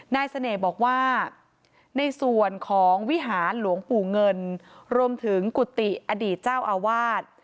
เสน่ห์บอกว่าในส่วนของวิหารหลวงปู่เงินรวมถึงกุฏิอดีตเจ้าอาวาส